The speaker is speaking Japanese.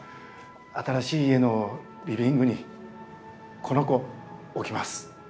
新しい家のリビングに「この子」置きます。